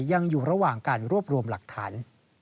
ยังอยู่ระหว่างการรวบรวมหลักฐาน